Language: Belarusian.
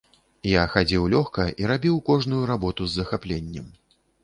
Я хадзіў лёгка і рабіў кожную работу з захапленнем.